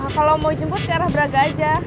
kalau mau jemput ke arah braga aja